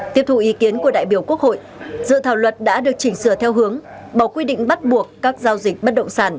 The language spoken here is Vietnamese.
tiếp thù ý kiến của đại biểu quốc hội dự thảo luật đã được chỉnh sửa theo hướng bỏ quy định bắt buộc các giao dịch bất động sản